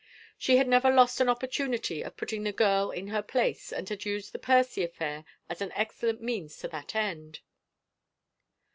She had never lost an opportunity of putting the girl in her place and had used the Percy affair as an excellent means to that end.